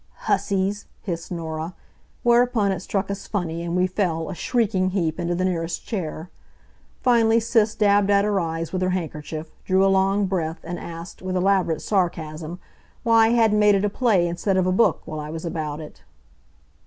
"Hussies!" hissed Norah. Whereupon it struck us funny and we fell, a shrieking heap, into the nearest chair. Finally Sis dabbed at her eyes with her handkerchief, drew a long breath, and asked, with elaborate sarcasm, why I hadn't made it a play instead of a book, while I was about it.